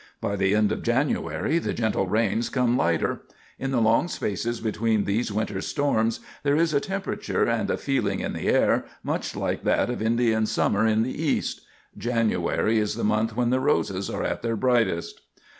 By the end of January the gentle rains come lighter. In the long spaces between these winter storms, there is a temperature and a feeling in the air much like that of Indian summer in the East. January is the month when the roses are at their brightest.